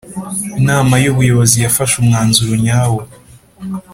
Inama y Ubuyobozi yafashe umwanzuro nyawo